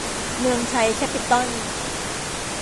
เมืองไทย แคปปิตอล